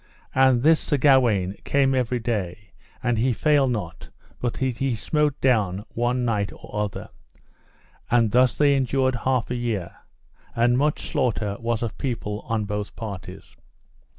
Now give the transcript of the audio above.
And this Sir Gawaine came every day, and he failed not but that he smote down one knight or other. So thus they endured half a year, and much slaughter was of people on both parties.